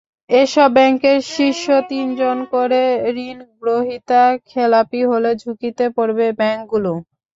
এসব ব্যাংকের শীর্ষ তিনজন করে ঋণগ্রহীতা খেলাপি হলে ঝুঁকিতে পড়বে ব্যাংকগুলো।